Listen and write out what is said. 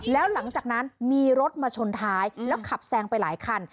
แล้วหลังจากนั้นมีรถมาชนท้ายแล้วขับแซงไปหลายคัน